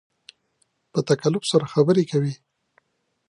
په تکلف سره خبرې کوې